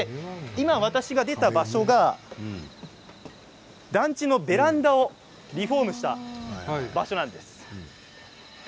今、私が出た場所が団地のベランダをリフォームした場所なんです。